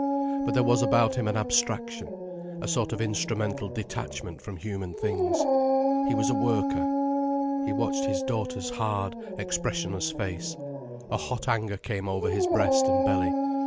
But there was about him an abstraction, a sort of instrumental detachment from human things. He was a worker. He watched his daughter's hard, expressionless face. A hot anger came over his breast and belly.